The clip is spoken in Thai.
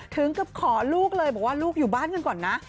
ถึงกับขอลูกเลยบอกว่าลูกอยู่บ้านกันก่อนนะ